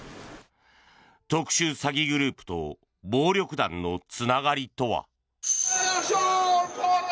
特殊詐欺グループと暴力団のつながりとは。